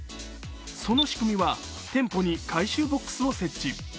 その仕組みは店舗に回収ボックスを設置。